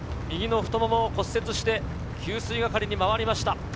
右の太ももを骨折して、給水係に回りました。